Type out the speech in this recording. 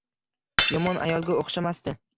Yomon ayolga o`xshamasdi